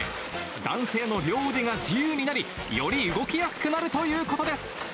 男性の両腕が自由になり、より動きやすくなるということです。